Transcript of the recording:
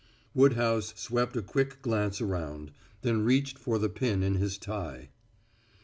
Woodhouse swept a quick glance around, then reached for the pin in his tie.